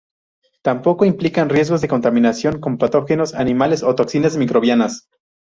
Tampoco implican riegos de contaminación con patógenos animales o toxinas microbianas.